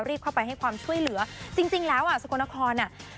เข้าไปให้ความช่วยเหลือจริงแล้วอ่ะสกลนครอ่ะ